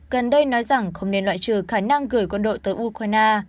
gần đây nói rằng không nên loại trừ khả năng gửi quân đội tới ukraine